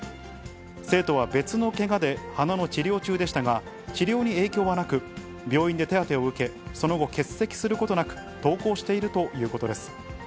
生徒は別のけがで、鼻の治療中でしたが、治療に影響はなく、病院で手当てを受け、その後、欠席することなく、登校しているということです。